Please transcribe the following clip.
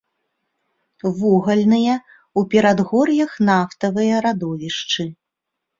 Вугальныя, у перадгор'ях нафтавыя радовішчы.